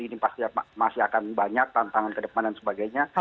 ini pasti masih akan banyak tantangan ke depan dan sebagainya